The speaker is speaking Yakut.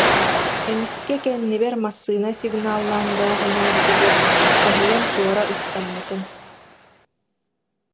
Эмискэ кэннибэр массыына сигналлаан бээҕинээбитигэр соһуйан туора ыстаммытым